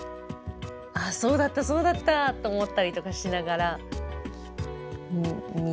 ああそうだったそうだったと思ったりとかしながら見てました。